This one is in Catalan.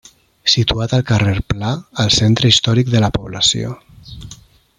Situat al carrer Pla, al centre històric de la població.